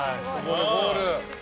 ゴール。